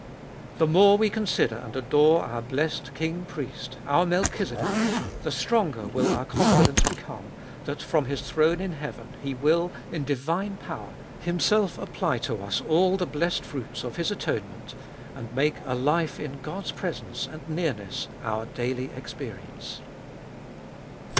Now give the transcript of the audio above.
The more we consider and adore our blessed King Priest, our Melchizedek, the stronger will our confidence become that from His throne in heaven He will, in divine power, Himself apply to us all the blessed fruits of His atonement, and make a life in God's presence and nearness our daily experience.